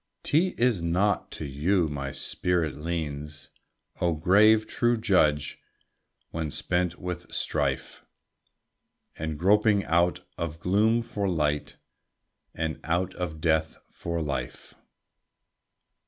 'T is not to you, my spirit leans, O grave, true judge! When spent with strife, And groping out of gloom for light, And out of death for life.